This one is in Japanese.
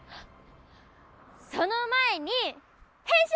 その前に変身！